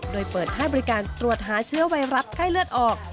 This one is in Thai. โดยเปิดให้บริการตรวจหาเชื้อไวรัสไข้เลือดออก